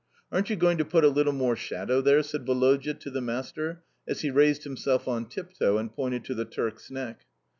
"Aren't you going to put a little more shadow there?" said Woloda to the master as he raised himself on tiptoe and pointed to the Turk's neck.